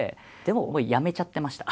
もう辞めちゃってました？